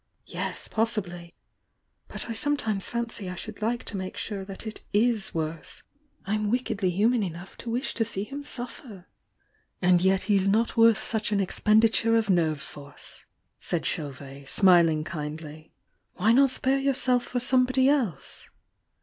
"Yes, possibly! But I sometimes fancy I should like to make sure that it is worse! I'm wickedly human enough to wish to see him suffer !" "And yet he's not worth such an expenditure of nerve force!" said Chauvet, smihng kindly. "Why not spare yourself for somebody else?"